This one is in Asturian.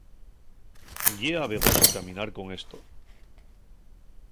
Ye abegoso caminar con esto.